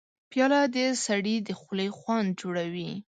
پیاله د سړي د خولې خوند جوړوي.